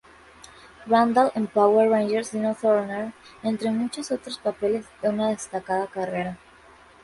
Randall en Power Rangers Dino Thunder, entre muchos otros papeles de una destacada carrera.